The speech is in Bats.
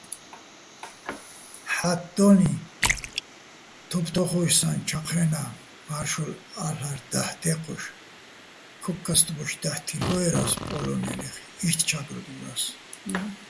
ჰ̦ა́თდოლიჼ თოფთო́ხოშსაჼ ჩაჴრენაჸ მა́რშოლალ'არ დაჰ̦ დე́ჴოშ, ქოკქასტბოშ დაჰ̦ თილ'უერა́ს პოლო́ნელეხ, იშტ "ჩა́გროდვორას".